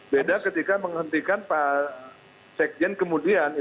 beda ketika menghentikan pak sekjen kemudian